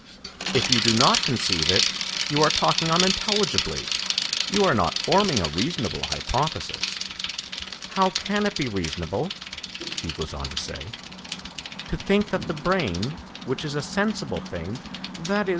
If you do not conceive it, you are talking unintelligibly, you are not forming a reasonable hypothesis.' 'How can it be reasonable,' he goes on to say, 'to think that the brain, which is a sensible thing, _i.e.